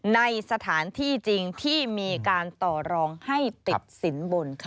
ในสถานที่จริงที่มีการต่อรองให้ติดสินบนค่ะ